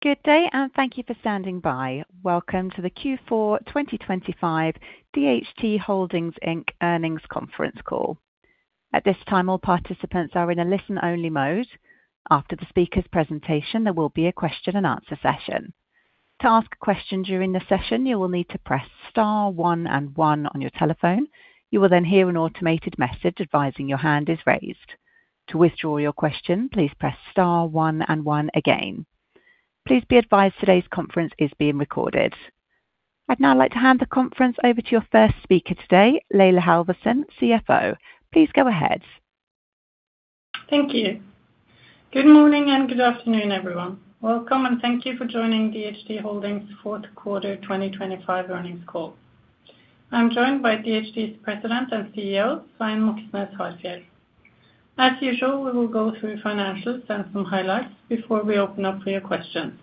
Good day, and thank you for standing by. Welcome to the Q4 2025 DHT Holdings, Inc. earnings conference call. At this time, all participants are in a listen-only mode. After the speaker's presentation, there will be a question-and-answer session. To ask a question during the session, you will need to press star one and one on your telephone. You will then hear an automated message advising your hand is raised. To withdraw your question, please press star one and one again. Please be advised today's conference is being recorded. I'd now like to hand the conference over to your first speaker today, Laila Halvorsen, CFO. Please go ahead. Thank you. Good morning, and good afternoon, everyone. Welcome, and thank you for joining DHT Holdings fourth quarter 2025 earnings call. I'm joined by DHT's President and CEO, Svein Moxnes Harfjeld. As usual, we will go through financials and some highlights before we open up for your questions.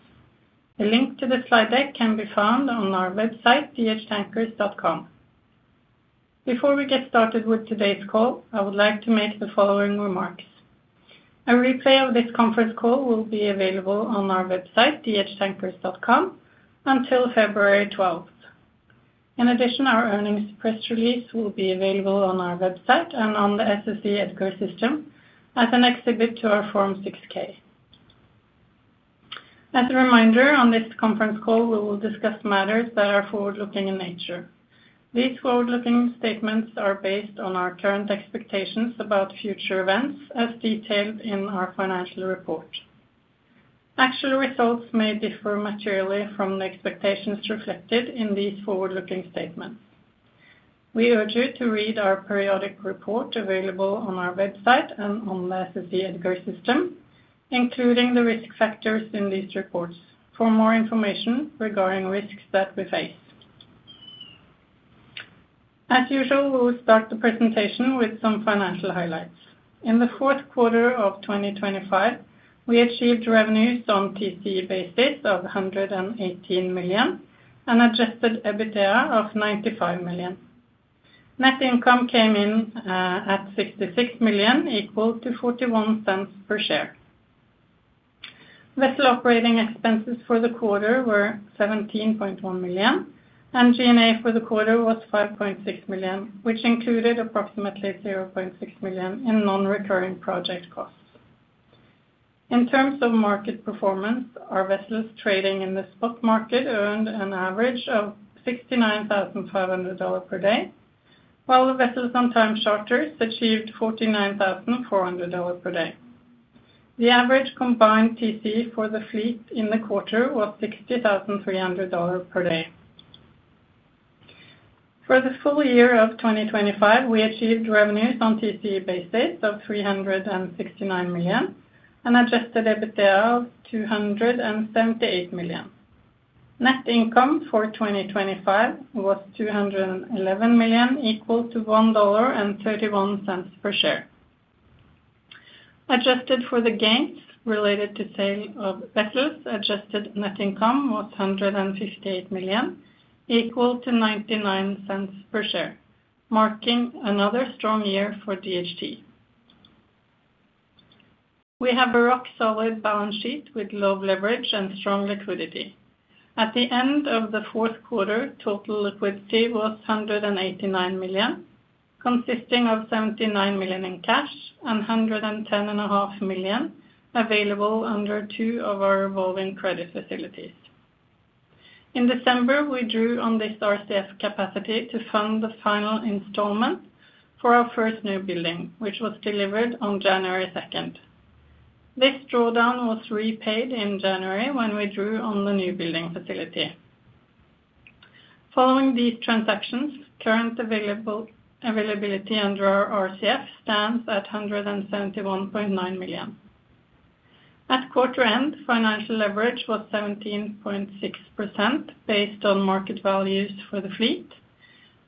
A link to the slide deck can be found on our website, dhtankers.com. Before we get started with today's call, I would like to make the following remarks. A replay of this conference call will be available on our website, dhtankers.com, until February twelfth. In addition, our earnings press release will be available on our website and on the SEC EDGAR system as an exhibit to our Form 6-K. As a reminder, on this conference call, we will discuss matters that are forward-looking in nature. These forward-looking statements are based on our current expectations about future events, as detailed in our financial report. Actual results may differ materially from the expectations reflected in these forward-looking statements. We urge you to read our periodic report available on our website and on the SEC EDGAR system, including the risk factors in these reports for more information regarding risks that we face. As usual, we will start the presentation with some financial highlights. In the fourth quarter of 2025, we achieved revenues on TCE basis of $118 million and adjusted EBITDA of $95 million. Net income came in at $66 million, equal to $0.41 per share. Vessel operating expenses for the quarter were $17.1 million, and G&A for the quarter was $5.6 million, which included approximately $0.6 million in non-recurring project costs. In terms of market performance, our vessels trading in the spot market earned an average of $69,500 per day, while the vessels on time charters achieved $49,400 per day. The average combined TCE for the fleet in the quarter was $60,300 per day. For the full year of 2025, we achieved revenues on TCE basis of $369 million and Adjusted EBITDA of $278 million. Net income for 2025 was $211 million, equal to $1.31 per share. Adjusted for the gains related to sale of vessels, adjusted net income was $158 million, equal to $0.99 per share, marking another strong year for DHT. We have a rock-solid balance sheet with low leverage and strong liquidity. At the end of the fourth quarter, total liquidity was $189 million, consisting of $79 million in cash and $110.5 million available under two of our revolving credit facilities. In December, we drew on this RCF capacity to fund the final installment for our first newbuilding, which was delivered on January second. This drawdown was repaid in January when we drew on the newbuilding facility. Following these transactions, current availability under our RCF stands at $171.9 million. At quarter end, financial leverage was 17.6%, based on market values for the fleet,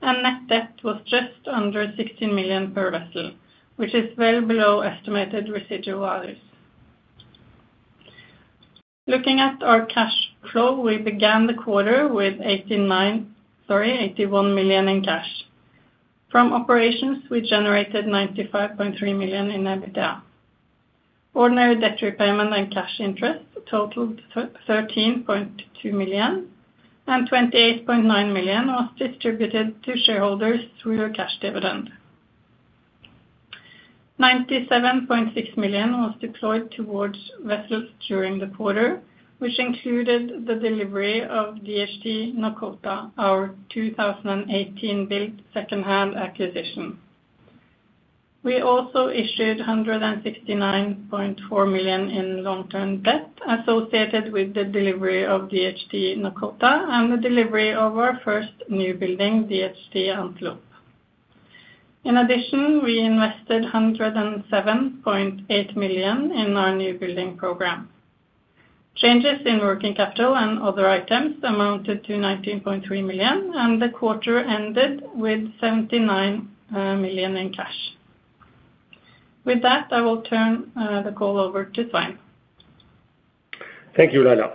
and net debt was just under $16 million per vessel, which is well below estimated residual values. Looking at our cash flow, we began the quarter with eighty-nine, sorry, $81 million in cash. From operations, we generated $95.3 million in EBITDA. Ordinary debt repayment and cash interest totaled $13.2 million, and $28.9 million was distributed to shareholders through a cash dividend. $97.6 million was deployed towards vessels during the quarter, which included the delivery of DHT Nokota, our 2018-built secondhand acquisition. We also issued $169.4 million in long-term debt associated with the delivery of DHT Nokota and the delivery of our first newbuilding, DHT Antelope. In addition, we invested $107.8 million in our newbuilding program. Changes in working capital and other items amounted to $19.3 million, and the quarter ended with $79 million in cash. With that, I will turn the call over to Svein. Thank you, Laila.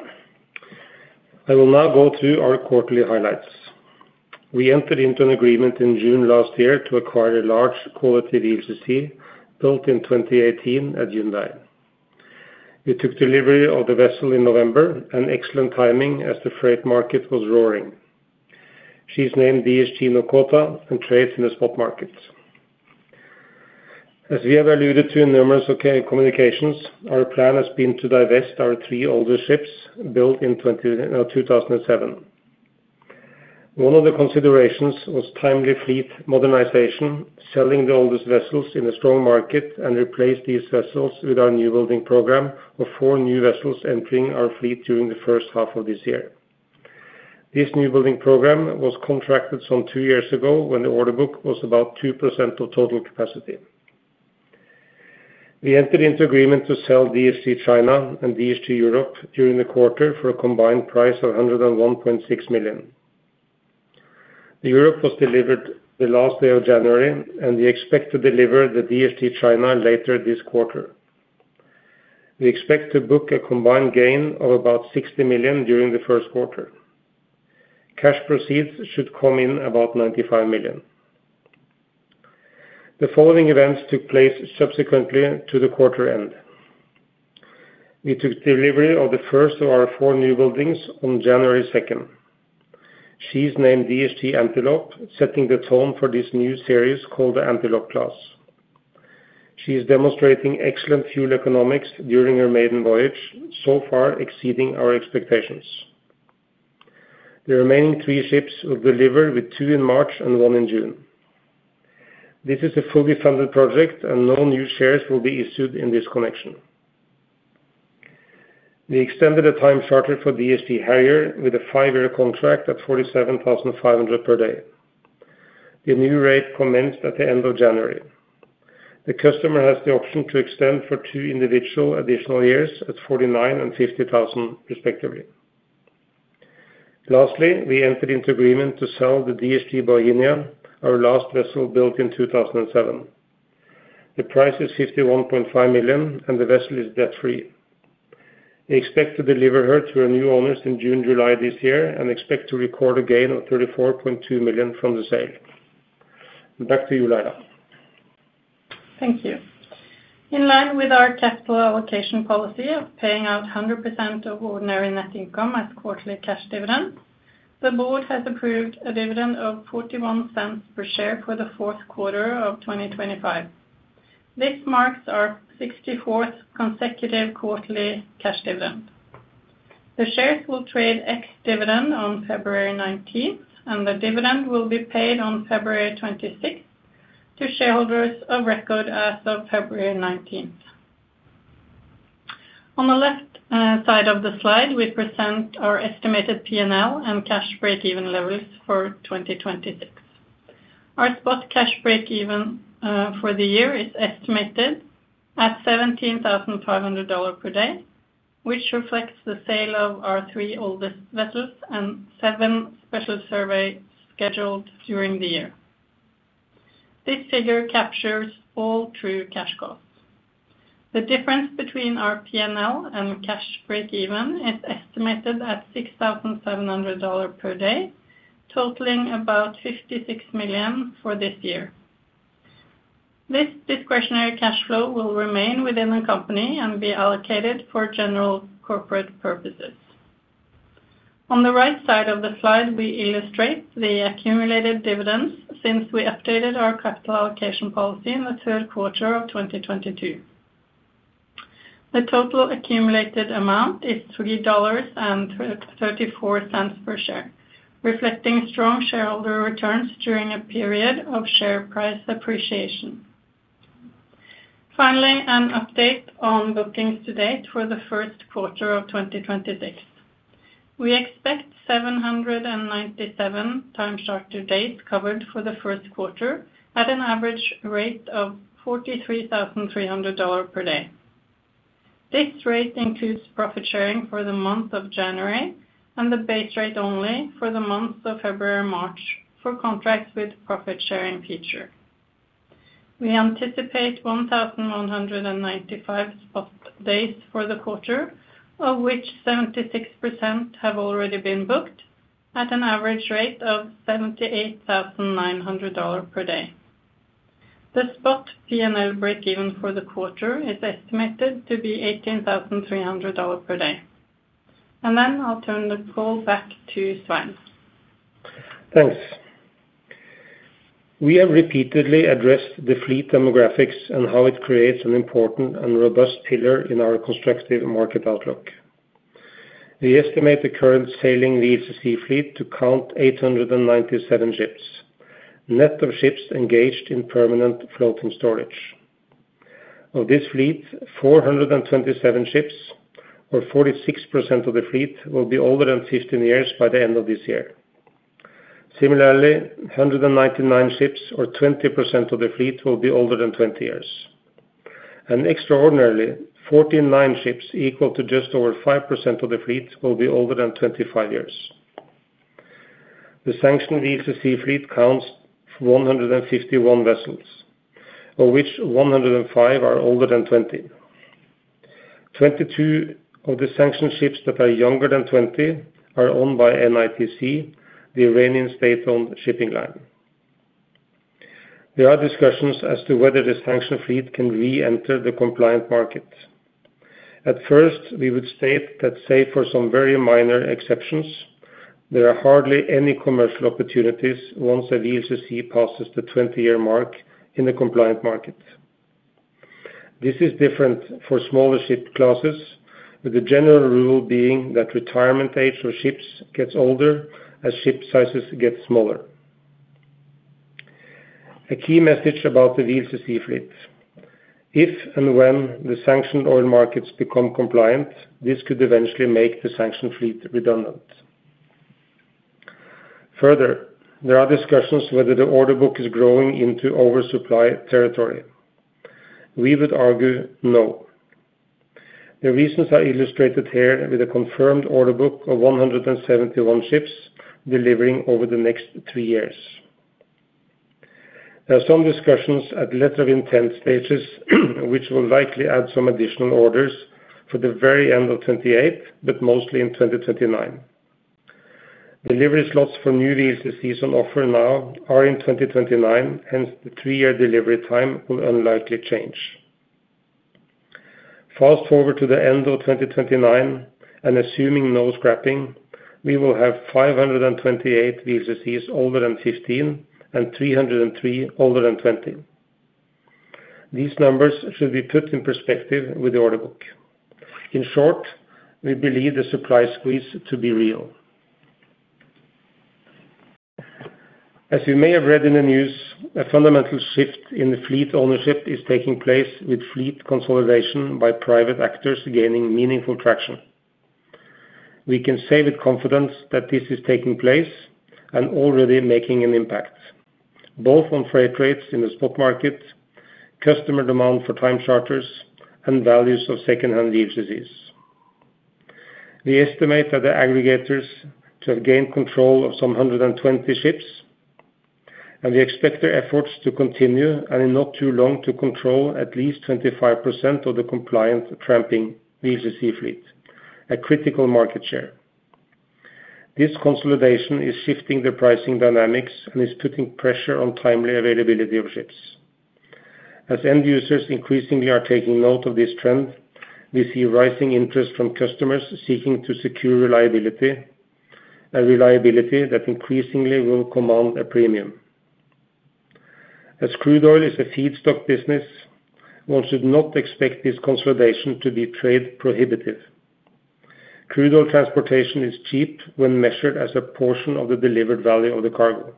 I will now go through our quarterly highlights. We entered into an agreement in June last year to acquire a large quality VLCC, built in 2018 at Hyundai. We took delivery of the vessel in November, an excellent timing as the freight market was roaring. She's named DHT Nokota and trades in the spot markets. As we have alluded to in numerous SEC communications, our plan has been to divest our three older ships built in 2007. One of the considerations was timely fleet modernization, selling the oldest vessels in a strong market, and replace these vessels with our newbuilding program, with four new vessels entering our fleet during the first half of this year. This newbuilding program was contracted some two years ago, when the order book was about 2% of total capacity. We entered into agreement to sell DHT China and DHT Europe during the quarter for a combined price of $101.6 million. The Europe was delivered the last day of January, and we expect to deliver the DHT China later this quarter. We expect to book a combined gain of about $60 million during the first quarter. Cash proceeds should come in about $95 million. The following events took place subsequently to the quarter end. We took delivery of the first of our four newbuildings on January second. She's named DHT Antelope, setting the tone for this new series called the Antelope Class. She is demonstrating excellent fuel economics during her maiden voyage, so far exceeding our expectations. The remaining three ships will deliver, with two in March and one in June. This is a fully funded project, and no new shares will be issued in this connection. We extended a time charter for DHT Harrier with a 5-year contract at $47,500 per day. The new rate commenced at the end of January. The customer has the option to extend for 2 individual additional years at $49,000 and $50,000, respectively. Lastly, we entered into agreement to sell the DHT Virginia, our last vessel built in 2007. The price is $51.5 million, and the vessel is debt-free. We expect to deliver her to her new owners in June, July this year, and expect to record a gain of $34.2 million from the sale. Back to you, Laila. Thank you. In line with our capital allocation policy of paying out 100% of ordinary net income as quarterly cash dividend, the board has approved a dividend of $0.41 per share for the fourth quarter of 2025. This marks our 64th consecutive quarterly cash dividend. The shares will trade ex-dividend on February 19th, and the dividend will be paid on February 26th to shareholders of record as of February 19th. On the left side of the slide, we present our estimated P&L and cash break-even levels for 2026. Our spot cash break-even for the year is estimated at $17,500 per day, which reflects the sale of our 3 oldest vessels and 7 special surveys scheduled during the year. This figure captures all true cash costs. The difference between our P&L and cash break-even is estimated at $6,700 per day, totaling about $56 million for this year. This discretionary cash flow will remain within the company and be allocated for general corporate purposes. On the right side of the slide, we illustrate the accumulated dividends since we updated our capital allocation policy in the third quarter of 2022. The total accumulated amount is $3.34 per share, reflecting strong shareholder returns during a period of share price appreciation. Finally, an update on bookings to date for the first quarter of 2026. We expect 797 time charter dates covered for the first quarter at an average rate of $43,300 per day. This rate includes profit sharing for the month of January and the base rate only for the months of February and March for contracts with profit sharing feature. We anticipate 1,195 spot days for the quarter, of which 76% have already been booked at an average rate of $78,900 per day. The spot P&L break even for the quarter is estimated to be $18,300 per day. And then I'll turn the call back to Svein. Thanks. We have repeatedly addressed the fleet demographics and how it creates an important and robust pillar in our constructive market outlook. We estimate the current sailing VLCC fleet to count 897 ships, net of ships engaged in permanent floating storage. Of this fleet, 427 ships, or 46% of the fleet, will be older than 15 years by the end of this year. Similarly, 199 ships, or 20% of the fleet, will be older than 20 years. And extraordinarily, 49 ships, equal to just over 5% of the fleet, will be older than 25 years. The sanctioned VLCC fleet counts 151 vessels, of which 105 are older than 20. Twenty-two of the sanctioned ships that are younger than 20 are owned by NITC, the Iranian state-owned shipping line. There are discussions as to whether the sanctioned fleet can reenter the compliant market. At first, we would state that, say, for some very minor exceptions, there are hardly any commercial opportunities once a VLCC passes the 20-year mark in the compliant market. This is different for smaller ship classes, with the general rule being that retirement age for ships gets older as ship sizes get smaller. A key message about the VLCC fleet: if and when the sanctioned oil markets become compliant, this could eventually make the sanctioned fleet redundant. Further, there are discussions whether the order book is growing into oversupply territory. We would argue, no. The reasons are illustrated here with a confirmed order book of 171 ships delivering over the next three years. There are some discussions at letter of intent stages, which will likely add some additional orders for the very end of 2028, but mostly in 2029. Delivery slots for new VLCCs on offer now are in 2029, hence the three-year delivery time will unlikely change. Fast forward to the end of 2029 and assuming no scrapping, we will have 528 VLCCs older than 15 and 303 older than 20. These numbers should be put in perspective with the order book. In short, we believe the supply squeeze to be real. As you may have read in the news, a fundamental shift in the fleet ownership is taking place, with fleet consolidation by private actors gaining meaningful traction. We can say with confidence that this is taking place and already making an impact, both on freight rates in the spot market, customer demand for time charters, and values of secondhand VLCCs. We estimate that the aggregators to have gained control of some 120 ships, and we expect their efforts to continue, and in not too long, to control at least 25% of the compliant tramping VLCC fleet, a critical market share. This consolidation is shifting the pricing dynamics and is putting pressure on timely availability of ships. As end users increasingly are taking note of this trend, we see rising interest from customers seeking to secure reliability, a reliability that increasingly will command a premium. As crude oil is a feedstock business, one should not expect this consolidation to be trade prohibitive. Crude oil transportation is cheap when measured as a portion of the delivered value of the cargo,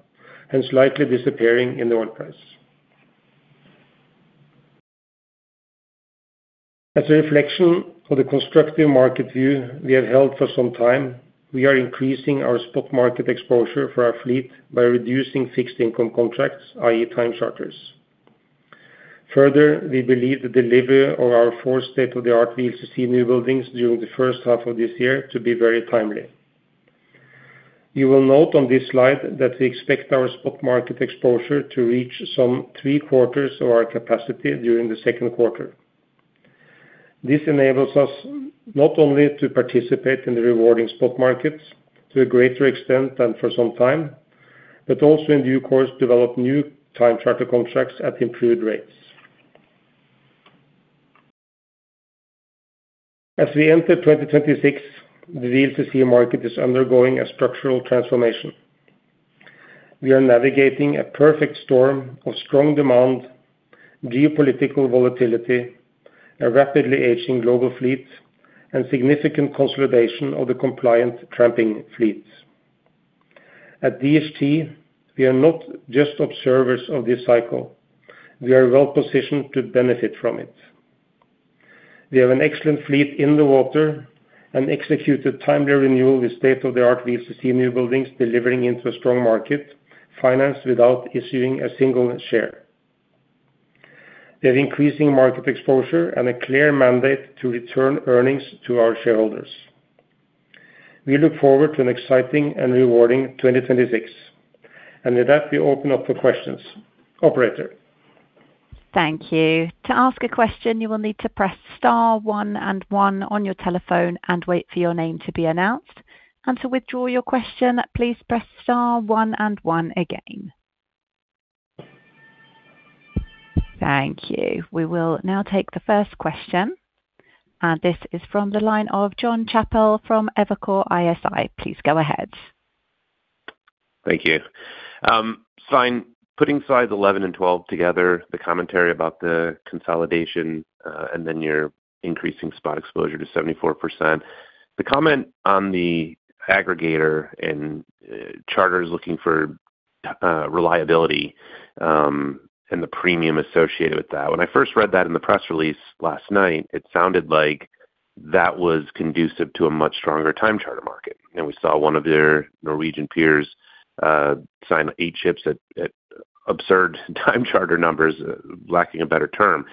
hence likely disappearing in the oil price. As a reflection of the constructive market view we have held for some time, we are increasing our spot market exposure for our fleet by reducing fixed income contracts, i.e., time charters. Further, we believe the delivery of our four state-of-the-art VLCC newbuildings during the first half of this year to be very timely. You will note on this slide that we expect our spot market exposure to reach some three-quarters of our capacity during the second quarter. This enables us not only to participate in the rewarding spot markets to a greater extent than for some time, but also, in due course, develop new time charter contracts at improved rates. As we enter 2026, the VLCC market is undergoing a structural transformation. We are navigating a perfect storm of strong demand, geopolitical volatility, a rapidly aging global fleet, and significant consolidation of the compliant tramping fleets. At DHT, we are not just observers of this cycle, we are well positioned to benefit from it. We have an excellent fleet in the water and executed timely renewal with state-of-the-art VLCC newbuildings, delivering into a strong market, financed without issuing a single share. We have increasing market exposure and a clear mandate to return earnings to our shareholders. We look forward to an exciting and rewarding 2026, and with that, we open up for questions. Operator? Thank you. To ask a question, you will need to press star one and one on your telephone and wait for your name to be announced. And to withdraw your question, please press star one and one again. Thank you. We will now take the first question, and this is from the line of Jon Chappell from Evercore ISI. Please go ahead. Thank you. So in putting slides 11 and 12 together, the commentary about the consolidation, and then your increasing spot exposure to 74%. The comment on the aggregator and, charters looking for, reliability, and the premium associated with that. When I first read that in the press release last night, it sounded like that was conducive to a much stronger time charter market. And we saw one of their Norwegian peers, sign eight ships at absurd time charter numbers, lacking a better term.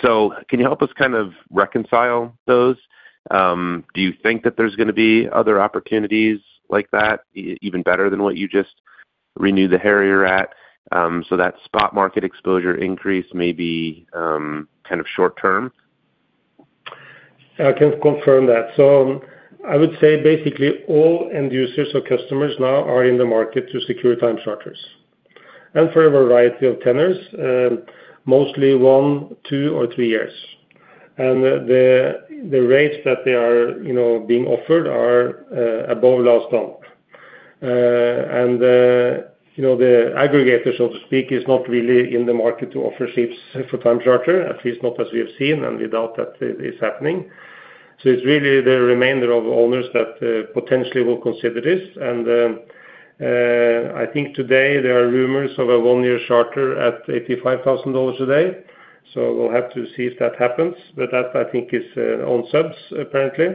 So can you help us kind of reconcile those? Do you think that there's gonna be other opportunities like that, even better than what you just renewed the Harrier at? So that spot market exposure increase may be kind of short term? I can confirm that. So I would say basically all end users or customers now are in the market to secure time charters, and for a variety of tenors, mostly 1, 2, or 3 years. And the rates that they are, you know, being offered are above last term. And, you know, the aggregator, so to speak, is not really in the market to offer ships for time charter, at least not as we have seen, and we doubt that it is happening. So it's really the remainder of owners that potentially will consider this. And, I think today there are rumors of a 1-year charter at $85,000 a day. So we'll have to see if that happens, but that, I think, is on subs apparently.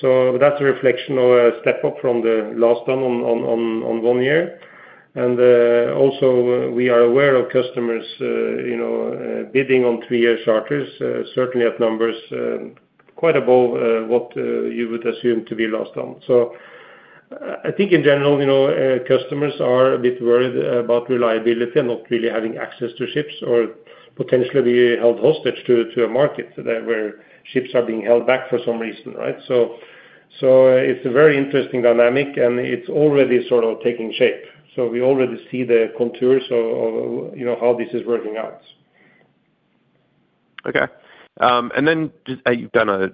So that's a reflection of a step up from the last one on one year. And also we are aware of customers, you know, bidding on three-year charters, certainly at numbers quite above what you would assume to be last term. So I think in general, you know, customers are a bit worried about reliability and not really having access to ships or potentially be held hostage to a market that where ships are being held back for some reason, right? So it's a very interesting dynamic, and it's already sort of taking shape. So we already see the contours of you know how this is working out. Okay. And then just, you've done a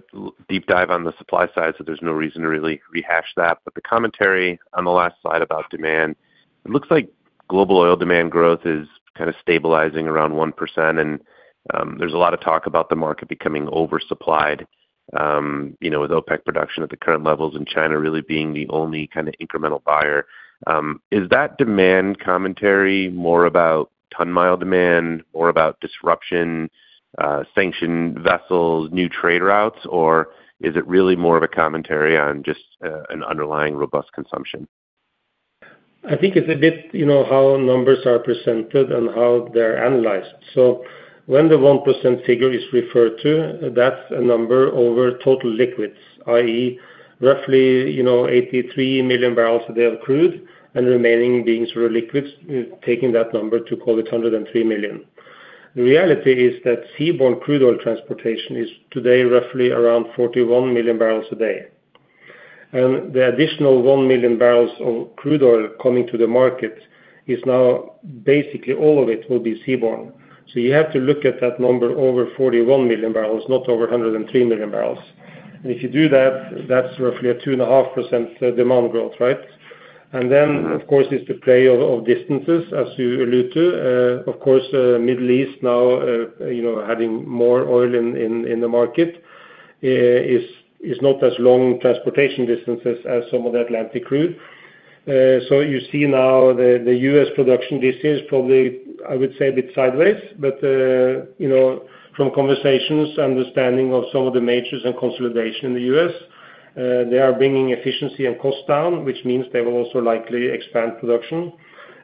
deep dive on the supply side, so there's no reason to really rehash that. But the commentary on the last slide about demand, it looks like global oil demand growth is kind of stabilizing around 1%, and, there's a lot of talk about the market becoming oversupplied, you know, with OPEC production at the current levels and China really being the only kind of incremental buyer. Is that demand commentary more about ton-mile demand, more about disruption, sanctioned vessels, new trade routes, or is it really more of a commentary on just, an underlying robust consumption? I think it's a bit, you know, how numbers are presented and how they're analyzed. So when the 1% figure is referred to, that's a number over total liquids, i.e., roughly, you know, 83 million barrels a day of crude, and the remaining beings were liquids, taking that number to call it 103 million. The reality is that seaborne crude oil transportation is today roughly around 41 million barrels a day, and the additional 1 million barrels of crude oil coming to the market is now basically all of it will be seaborne. So you have to look at that number over 41 million barrels, not over 103 million barrels. And if you do that, that's roughly a 2.5% demand growth, right? And then, of course, it's the play of distances, as you allude to. Of course, Middle East now, you know, having more oil in the market is not as long transportation distances as some of the Atlantic crude. So you see now the U.S. production this year is probably, I would say, a bit sideways, but, you know, from conversations, understanding of some of the majors and consolidation in the U.S., they are bringing efficiency and cost down, which means they will also likely expand production.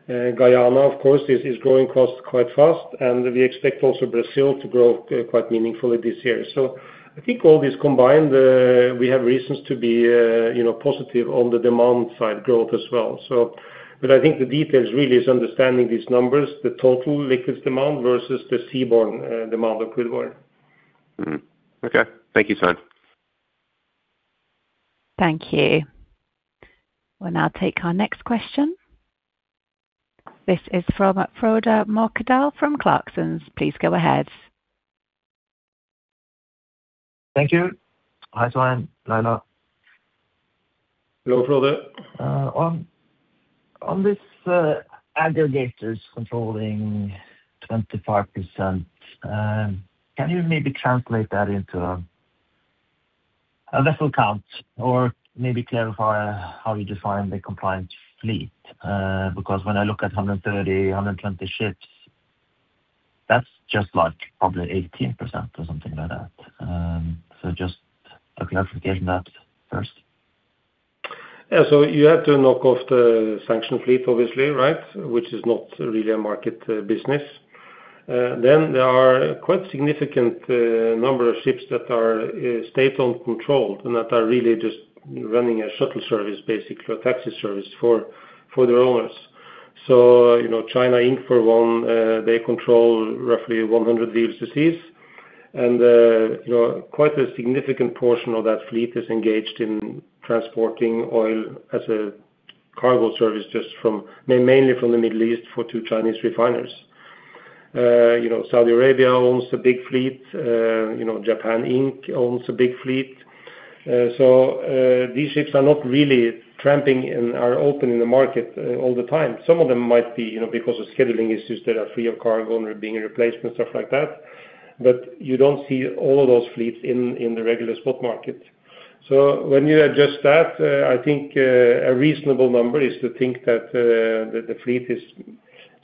Guyana, of course, is growing costs quite fast, and we expect also Brazil to grow quite meaningfully this year. So I think all this combined, we have reasons to be, you know, positive on the demand side growth as well. So, but I think the details really is understanding these numbers, the total liquids demand versus the seaborne demand of crude oil. Mm-hmm. Okay. Thank you, Svein. Thank you. We'll now take our next question. This is from Frode Mørkedal from Clarksons. Please go ahead. Thank you. Hi, Svein, Laila. Hello, Frode. On this, aggregators controlling 25%, can you maybe translate that into a vessel count or maybe clarify how you define the compliant fleet? Because when I look at 130, 120 ships, that's just like probably 18% or something like that. So just a clarification on that first. Yeah. So you have to knock off the sanctioned fleet, obviously, right? Which is not really a market business. Then there are quite significant number of ships that are state-owned controlled and that are really just running a shuttle service, basically, a taxi service for their owners. So, you know, China Inc, for one, they control roughly 100 VLCC, and, you know, quite a significant portion of that fleet is engaged in transporting oil as a cargo service just from, mainly from the Middle East for two Chinese refiners. You know, Saudi Arabia owns a big fleet, you know, Japan Inc. owns a big fleet, so these ships are not really tramping and are open in the market all the time. Some of them might be, you know, because of scheduling issues that are free of cargo and being a replacement, stuff like that, but you don't see all of those fleets in the regular spot market. So when you adjust that, I think a reasonable number is to think that the fleet is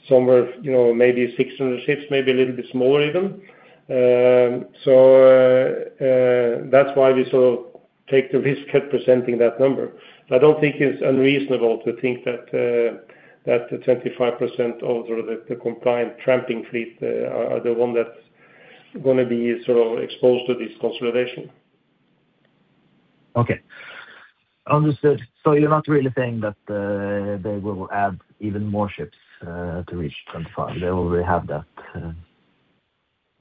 somewhere, you know, maybe 600 ships, maybe a little bit smaller even. So that's why we sort of take the risk at presenting that number. I don't think it's unreasonable to think that the 25% of the compliant tramping fleet are the one that's gonna be sort of exposed to this consolidation. Okay. Understood. So you're not really saying that, they will add even more ships, to reach 25? They already have that,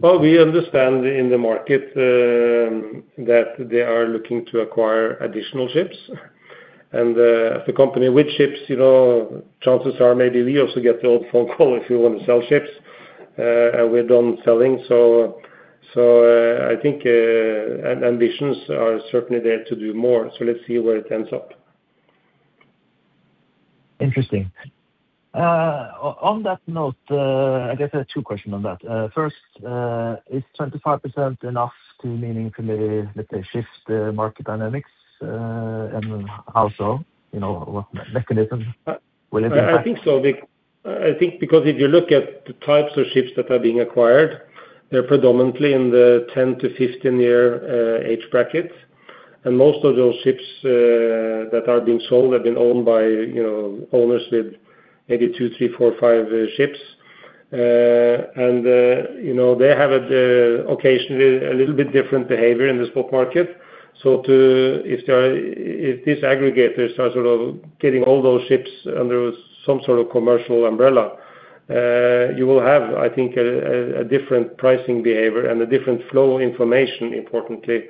Well, we understand in the market that they are looking to acquire additional ships. And, as a company with ships, you know, chances are maybe we also get the old phone call if you want to sell ships, and we're done selling. So, I think ambitions are certainly there to do more, so let's see where it ends up. Interesting. On that note, I guess I have two questions on that. First, is 25% enough to meaningfully, let's say, shift the market dynamics, and then how so? You know, what mechanism will it be? I think because if you look at the types of ships that are being acquired, they're predominantly in the 10- to 15-year age bracket. And most of those ships that are being sold have been owned by, you know, owners with maybe 2, 3, 4, 5 ships. And, you know, they have occasionally a little bit different behavior in the spot market. So if there are—if these aggregators are sort of getting all those ships under some sort of commercial umbrella, you will have, I think, a different pricing behavior and a different flow of information, importantly,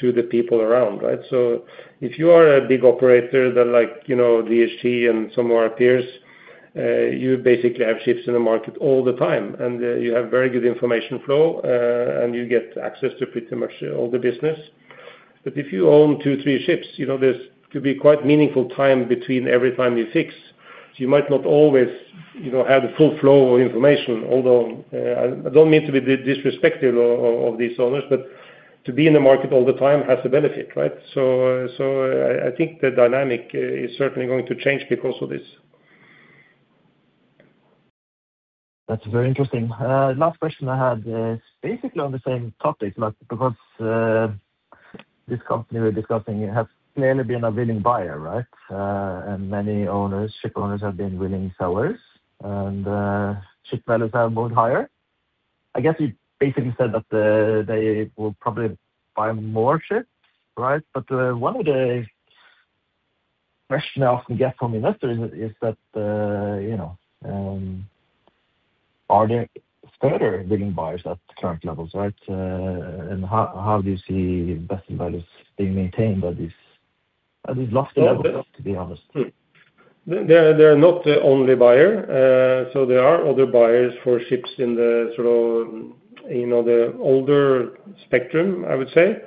to the people around, right? So if you are a big operator that like, you know, DHT and some of our peers, you basically have ships in the market all the time, and you have very good information flow, and you get access to pretty much all the business. But if you own two, three ships, you know, there's to be quite meaningful time between every time you fix. So you might not always, you know, have the full flow of information, although I don't mean to be disrespectful of these owners, but to be in the market all the time has a benefit, right? So I think the dynamic is certainly going to change because of this. That's very interesting. Last question I had is basically on the same topic, but because this company we're discussing has clearly been a willing buyer, right? And many owners, ship owners have been willing sellers, and ship values have moved higher. I guess you basically said that they will probably buy more ships, right? But one of the questions I often get from investors is that you know are there further willing buyers at the current levels, right? And how do you see vessel values being maintained at these lofty levels, to be honest? They're not the only buyer. So there are other buyers for ships in the sort of, you know, the older spectrum, I would say.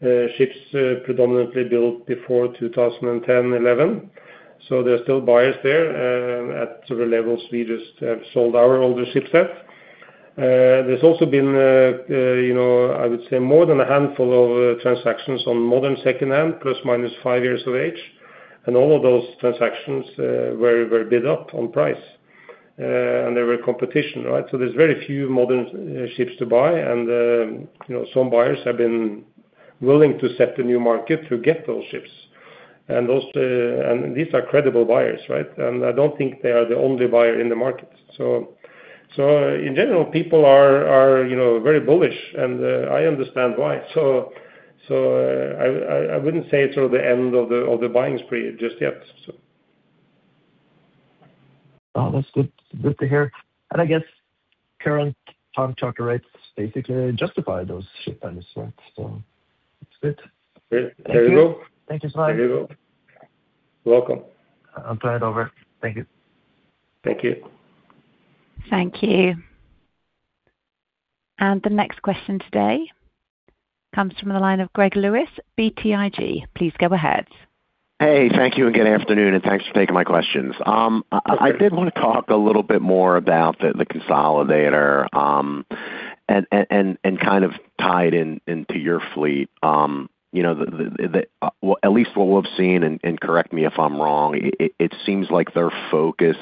Ships predominantly built before 2010, 2011. So there are still buyers there, at the levels we just have sold our older ships at. There's also been, you know, I would say more than a handful of transactions on modern second-hand, plus, minus 5 years of age. And all of those transactions were bid up on price, and there were competition, right? So there's very few modern ships to buy, and, you know, some buyers have been willing to set the new market to get those ships. And those and these are credible buyers, right? And I don't think they are the only buyer in the market. So in general, people are, you know, very bullish, and I understand why. So I wouldn't say it's sort of the end of the buying spree just yet, so. Oh, that's good. Good to hear. And I guess current time charter rates basically justify those ship values, right? So that's good. Great. There you go. Thank you so much. There you go. Welcome. I'll turn it over. Thank you. Thank you. Thank you. The next question today comes from the line of Greg Lewis, BTIG. Please go ahead. Hey, thank you, and good afternoon, and thanks for taking my questions. I did want to talk a little bit more about the consolidator, and kind of tied in into your fleet. You know, well, at least what we've seen, and correct me if I'm wrong, it seems like their focus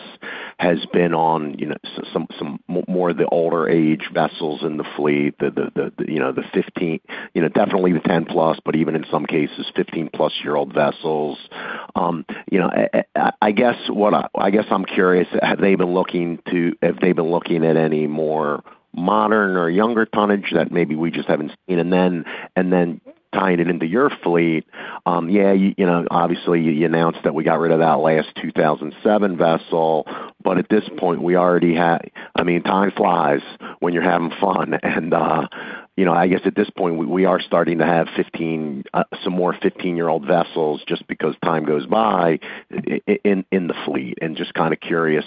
has been on, you know, some more of the older age vessels in the fleet, you know, the 15- you know, definitely the 10+, but even in some cases, 15+ year old vessels. You know, I guess I'm curious, have they been looking at any more modern or younger tonnage that maybe we just haven't seen? And then tying it into your fleet, yeah, you know, obviously, you announced that we got rid of that last 2007 vessel, but at this point, we already had... I mean, time flies when you're having fun, and, you know, I guess at this point, we are starting to have 15, some more 15-year-old vessels just because time goes by in the fleet. Just kind of curious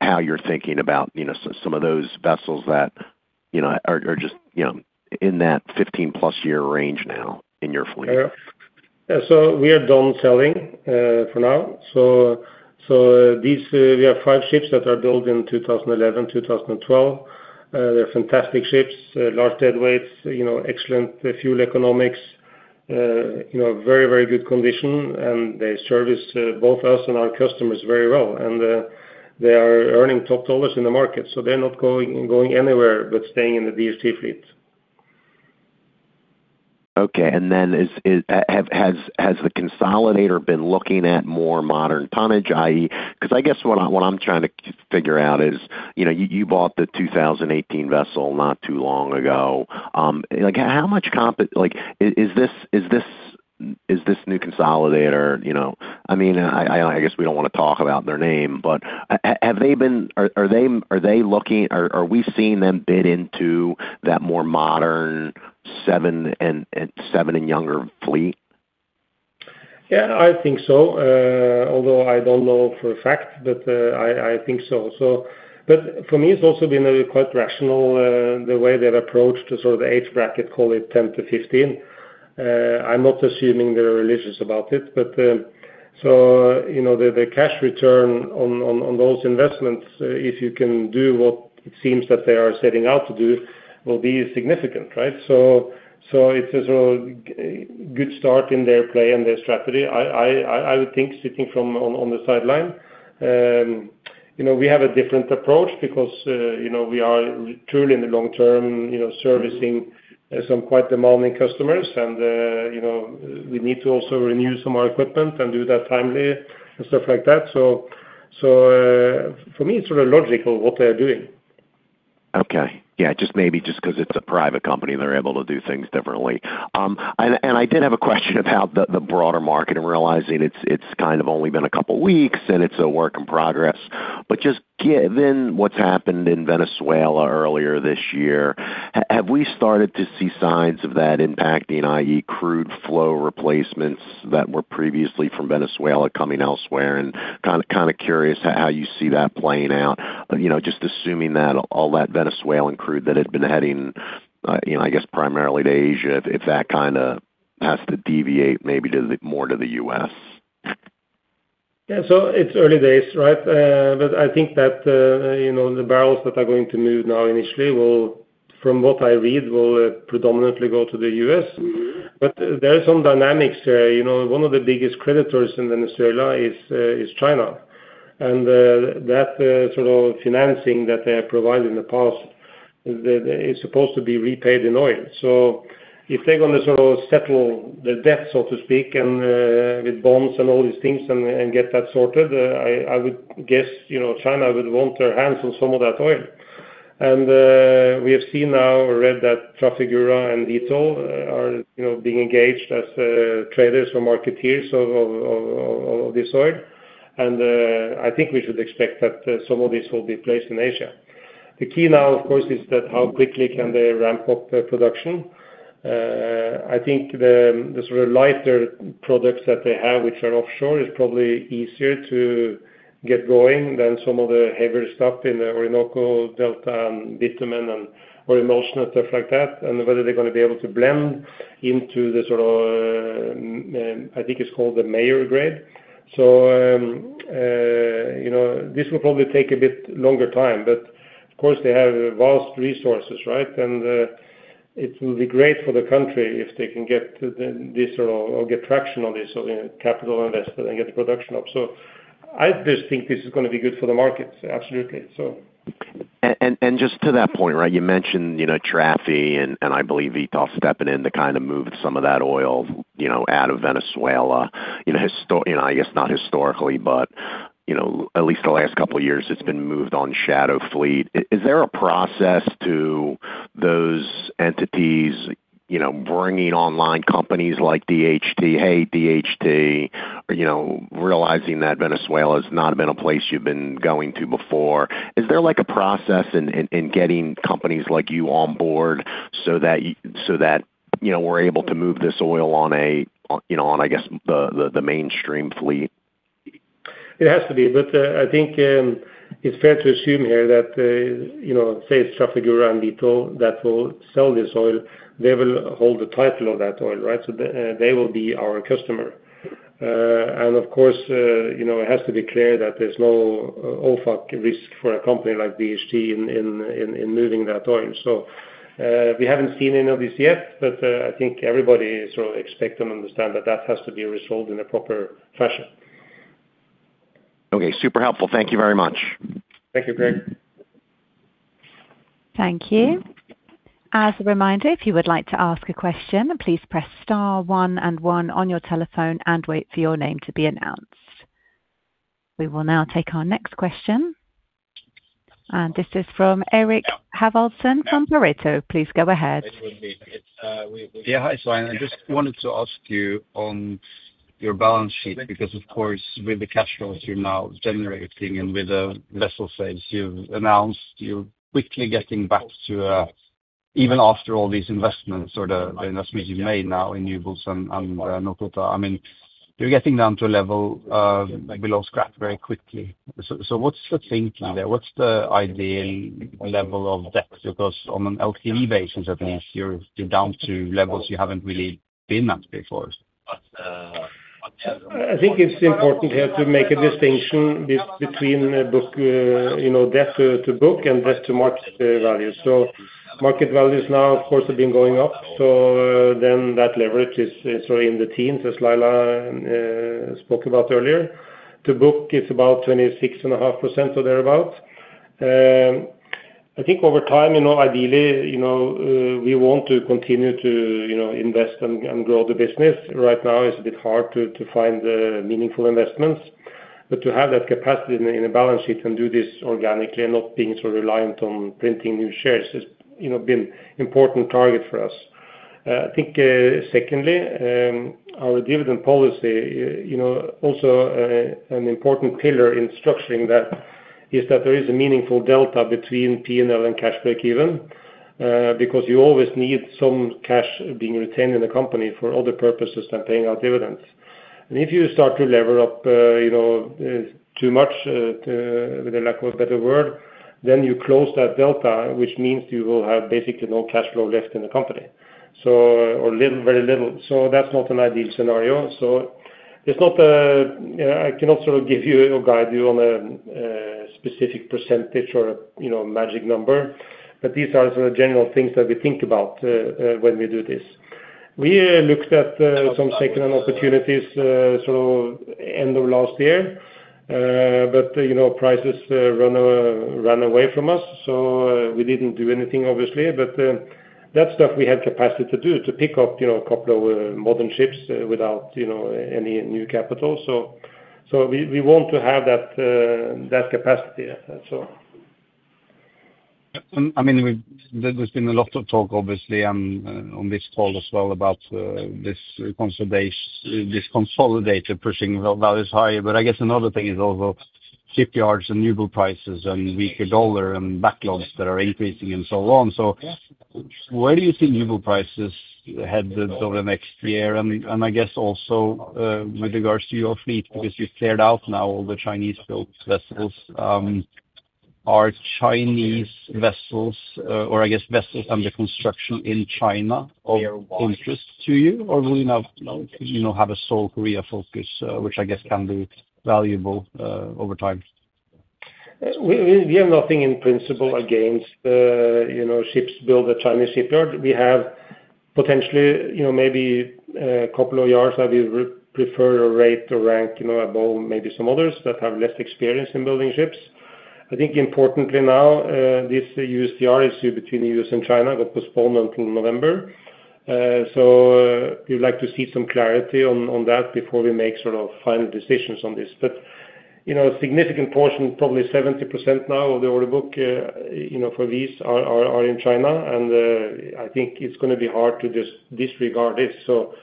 how you're thinking about, you know, so some of those vessels that, you know, are, are just, you know, in that 15+ year range now in your fleet. Yeah. So we are done selling, for now. So, these, we have five ships that are built in 2011, 2012. They're fantastic ships, large deadweights, you know, excellent fuel economics, you know, very, very good condition, and they service, both us and our customers very well. And, they are earning top dollars in the market, so they're not going, going anywhere, but staying in the DHT fleet. Okay, and then has the consolidator been looking at more modern tonnage, i.e., 'cause I guess what I'm trying to figure out is, you know, you bought the 2018 vessel not too long ago. Like, is this new consolidator, you know, I mean, I guess we don't wanna talk about their name, but have they been—are they looking, are we seeing them bid into that more modern 7- and younger fleet? Yeah, I think so. Although I don't know for a fact, but I think so. So, but for me, it's also been a quite rational, the way they've approached the sort of age bracket, call it 10-15. I'm not assuming they're religious about it, but so, you know, the cash return on those investments, if you can do what it seems that they are setting out to do, will be significant, right? So, so it is a good start in their play and their strategy. I would think, sitting from on the sideline. You know, we have a different approach because, you know, we are truly in the long term, you know, servicing some quite demanding customers and, you know, we need to also renew some of our equipment and do that timely and stuff like that. So, for me, it's sort of logical what they are doing. Okay. Yeah, just maybe just 'cause it's a private company, they're able to do things differently. And I did have a question about the broader market and realizing it's kind of only been a couple weeks, and it's a work in progress, but just then what's happened in Venezuela earlier this year, have we started to see signs of that impacting, i.e., crude flow replacements that were previously from Venezuela coming elsewhere? And kind of curious how you see that playing out. You know, just assuming that all that Venezuelan crude that had been heading, you know, I guess primarily to Asia, if that kind of has to deviate maybe to the more to the U.S. Yeah, so it's early days, right? But I think that, you know, the barrels that are going to move now initially will, from what I read, will predominantly go to the U.S. Mm-hmm. But there are some dynamics there. You know, one of the biggest creditors in Venezuela is China, and that sort of financing that they have provided in the past is supposed to be repaid in oil. So if they're gonna sort of settle the debt, so to speak, and with bonds and all these things and get that sorted, I would guess, you know, China would want their hands on some of that oil. And we have seen now or read that Trafigura and Itochu are, you know, being engaged as traders or marketeers of this oil, and I think we should expect that some of this will be placed in Asia. The key now, of course, is that how quickly can they ramp up their production? I think the sort of lighter products that they have, which are offshore, is probably easier to get going than some of the heavier stuff in the Orinoco Delta and bitumen and oil emulsion and stuff like that, and whether they're gonna be able to blend into the sort of, I think it's called the Merey grade. So, you know, this will probably take a bit longer time, but of course they have vast resources, right? And, it will be great for the country if they can get this or, or get traction on this, so capital invested and get the production up. So I just think this is gonna be good for the market. Absolutely, so. And just to that point, right, you mentioned, you know, Trafigura and I believe Itochu stepping in to kind of move some of that oil, you know, out of Venezuela. You know, you know, I guess not historically, but, you know, at least the last couple of years, it's been moved on shadow fleet. Is there a process to those entities, you know, bringing online companies like DHT, hey, DHT, you know, realizing that Venezuela's not been a place you've been going to before? Is there, like, a process in getting companies like you on board so that so that, you know, we're able to move this oil on a, on, you know, on, I guess, the, the, the mainstream fleet? It has to be, but I think it's fair to assume here that you know, say it's Trafigura and Itochu that will sell this oil, they will hold the title of that oil, right? So they will be our customer. And of course you know, it has to be clear that there's no OFAC risk for a company like DHT in moving that oil. So we haven't seen any of this yet, but I think everybody sort of expect and understand that that has to be resolved in a proper fashion. Okay, super helpful. Thank you very much. Thank you, Greg. Thank you. As a reminder, if you would like to ask a question, please press star one and one on your telephone and wait for your name to be announced. We will now take our next question, and this is from Eirik Haavaldsen from Pareto. Please go ahead. Yeah, hi, Svein. I just wanted to ask you on your balance sheet, because, of course, with the cash flows you're now generating and with the vessel sales you've announced, you're quickly getting back to, even after all these investments or the investments you've made now in newbuilds and Nokota, I mean, you're getting down to a level below scrap very quickly. So, what's the thinking there? What's the ideal level of debt? Because on an LTV basis, I think you're down to levels you haven't really been at before. I think it's important here to make a distinction between book, you know, debt to book and debt to market value. So market values now, of course, have been going up, so then that leverage is sort of in the teens, as Laila spoke about earlier. To book, it's about 26.5% or thereabout. I think over time, you know, ideally, you know, we want to continue to, you know, invest and grow the business. Right now, it's a bit hard to find meaningful investments. But to have that capacity in a balance sheet and do this organically and not being so reliant on printing new shares has, you know, been important target for us. I think, secondly, our dividend policy, you know, also, an important pillar in structuring that, is that there is a meaningful delta between PNL and cash break-even. Because you always need some cash being retained in the company for other purposes than paying out dividends. And if you start to lever up, you know, too much, for the lack of a better word, then you close that delta, which means you will have basically no cash flow left in the company, so, or little, very little. So that's not an ideal scenario. So it's not, I cannot sort of give you or guide you on a, specific percentage or, you know, magic number, but these are sort of general things that we think about, when we do this. We looked at some second opportunities, so end of last year. But, you know, prices run away, run away from us, so we didn't do anything, obviously. But, that stuff we have capacity to do, to pick up, you know, a couple of modern ships without, you know, any new capital. So, so we, we want to have that, that capacity, that's all. I mean, there's been a lot of talk, obviously, and on this call as well, about this consolidated, pushing values high. But I guess another thing is also shipyards and newbuild prices and weaker dollar and backlogs that are increasing and so on. So where do you see newbuild prices headed over the next year? And I guess also, with regards to your fleet, because you've cleared out now all the Chinese built vessels. Are Chinese vessels, or I guess, vessels under construction in China of interest to you? Or will you now, you know, have a sole career focus, which I guess can be valuable, over time? We have nothing in principle against, you know, ships built at Chinese shipyard. We have potentially, you know, maybe, a couple of yards that we prefer or rate or rank, you know, above maybe some others that have less experience in building ships. I think importantly now, this USTR issue between the U.S. and China got postponed until November. So we'd like to see some clarity on that before we make sort of final decisions on this. But, you know, a significant portion, probably 70% now of the order book, you know, for these are in China, and I think it's gonna be hard to just disregard this. So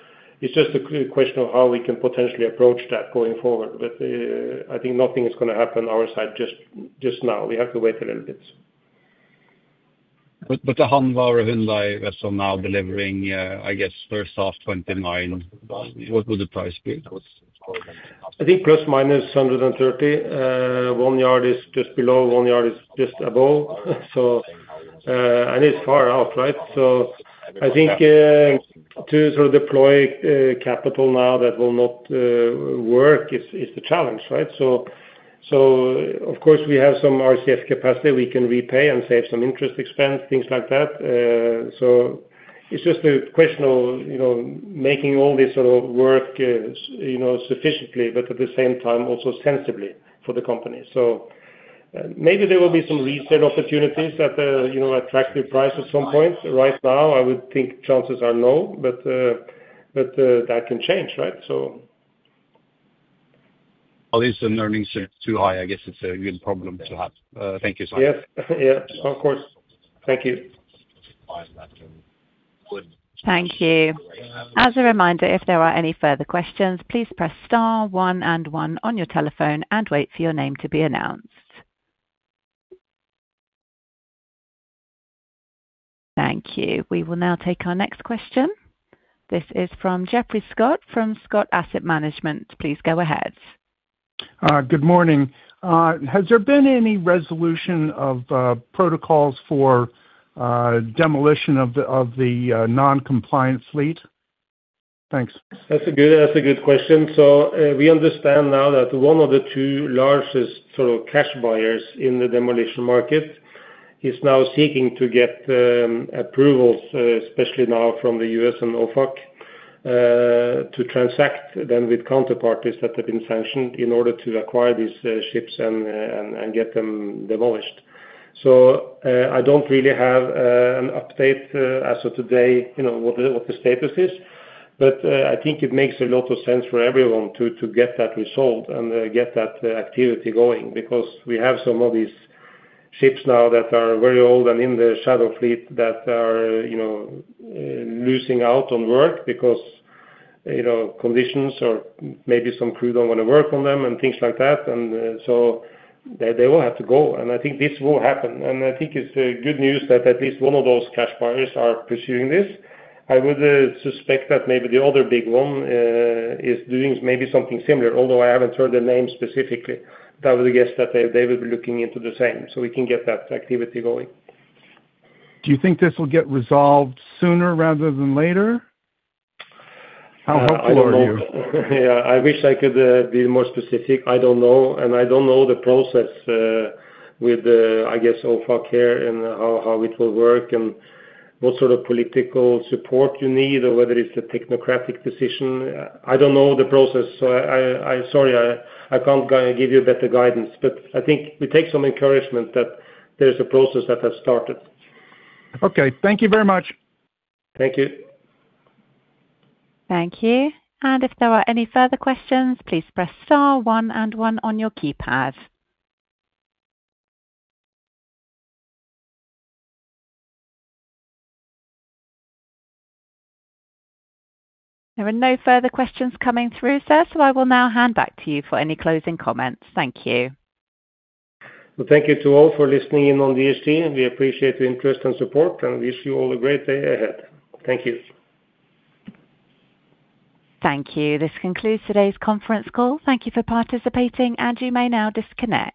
it's just a clear question of how we can potentially approach that going forward. But, I think nothing is gonna happen our side just now. We have to wait a little bit. But, the Hanwha Ocean vessel now delivering, I guess first half 2029, what will the price be? I think ±130. One yard is just below, one yard is just above. So, and it's far out, right? So I think, to sort of deploy, capital now that will not, work, is, is the challenge, right? So, so of course we have some RCF capacity we can repay and save some interest expense, things like that. So it's just a question of, you know, making all this sort of work, you know, sufficiently, but at the same time, also sensibly for the company. So maybe there will be some reset opportunities at a, you know, attractive price at some point. Right now, I would think chances are low, but, but, that can change, right? So. At least the earnings are too high. I guess it's a good problem to have. Thank you, Svein. Yes. Yeah, of course. Thank you. Thank you. As a reminder, if there are any further questions, please press star one and one on your telephone and wait for your name to be announced. Thank you. We will now take our next question. This is from Geoffrey Scott, from Scott Asset Management. Please go ahead. Good morning. Has there been any resolution of protocols for demolition of the non-compliant fleet? Thanks. That's a good, that's a good question. So, we understand now that one of the two largest sort of cash buyers in the demolition market is now seeking to get approvals, especially now from the U.S. and OFAC, to transact then with counterparties that have been sanctioned in order to acquire these ships and get them demolished. So, I don't really have an update as of today, you know, what the, what the status is, but I think it makes a lot of sense for everyone to get that resolved and get that activity going, because we have some of these ships now that are very old and in the shadow fleet that are, you know, losing out on work because, you know, conditions or maybe some crew don't want to work on them and things like that. So they, they will have to go, and I think this will happen. And I think it's good news that at least one of those cash buyers are pursuing this. I would suspect that maybe the other big one is doing maybe something similar, although I haven't heard the name specifically, but I would guess that they, they will be looking into the same, so we can get that activity going. Do you think this will get resolved sooner rather than later? How helpful are you? Yeah, I wish I could be more specific. I don't know, and I don't know the process with the, I guess, OFAC here and how it will work and what sort of political support you need, or whether it's a technocratic decision. I don't know the process, so, sorry, I can't give you a better guidance, but I think we take some encouragement that there is a process that has started. Okay. Thank you very much. Thank you. Thank you. And if there are any further questions, please press star one and one on your keypad. There are no further questions coming through, sir, so I will now hand back to you for any closing comments. Thank you. Well, thank you to all for listening in on DHT, and we appreciate the interest and support, and wish you all a great day ahead. Thank you. Thank you. This concludes today's conference call. Thank you for participating, and you may now disconnect.